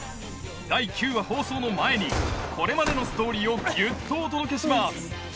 第９話放送の前にこれまでのストーリーをギュっとお届けします